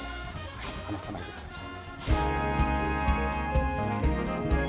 離さないでください。